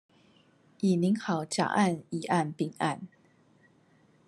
已擬好甲案乙案丙案